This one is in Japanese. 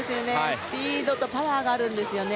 スピードとパワーがあるんですよね。